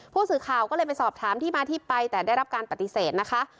ผู้สื่อข่าวก็เลยไปสอบถามที่มาที่ไปแต่ได้รับการปฏิเสธนะคะ